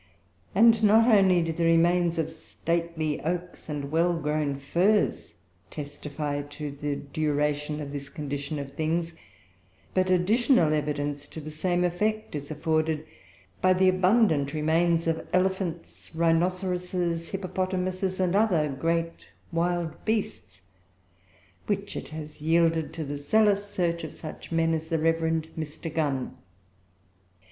And not only do the remains of stately oaks and well grown firs testify to the duration of this condition of things, but additional evidence to the same effect is afforded by the abundant remains of elephants, rhinoceroses, hippopotamuses, and other great wild beasts, which it has yielded to the zealous search of such men as the Rev. Mr. Gunn.